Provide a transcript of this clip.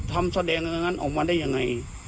แสดงอย่างนั้นออกมาได้ยังไง